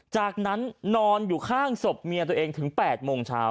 จากนั้นนอนอยู่ข้างศพเมียตัวเองถึง๘โมงเช้า